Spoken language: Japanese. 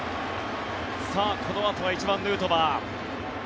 このあとは１番、ヌートバー。